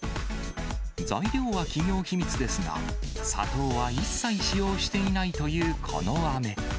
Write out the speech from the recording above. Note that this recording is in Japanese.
材料は企業秘密ですが、砂糖は一切使用していないというこのあめ。